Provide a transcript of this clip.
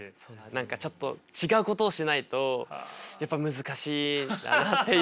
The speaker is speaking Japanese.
何かちょっと違うことをしないとやっぱ難しいなっていうのを。